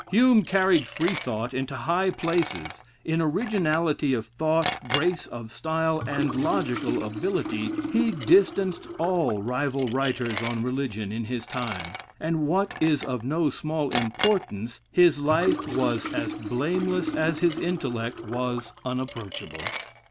Hume carried Freethought into high places. In originality of thought, grace of style, and logical ability, he distanced all rival writers on religion in his time, and what is of no small importance, his life was as blameless as his intellect was unapproachable.